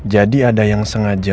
jadi ada yang sengaja